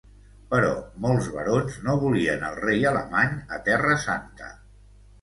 Però molts barons no volien al rei alemany a Terra Santa.